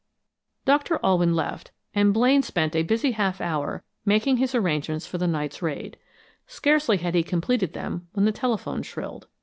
Doctor Alwyn left, and Blaine spent a busy half hour making his arrangements for the night's raid. Scarcely had he completed them when the telephone shrilled.